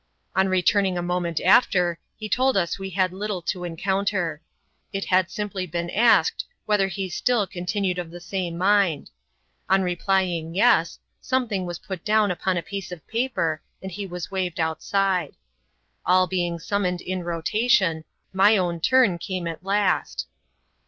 On returning a moment after, he told us we had little to encounter. It had simply been asked, whether he still con tinued of the same mind ; on replying yes, something was put down upon a piece of paper, and he was waved outside. All being smnmoned in rotation, my own turn came at last.